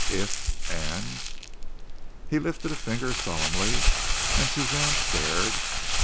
If. And " He lifted a finger solemnly, and Suzanne stared.